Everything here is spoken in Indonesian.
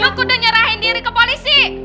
aku udah nyerahin diri ke polisi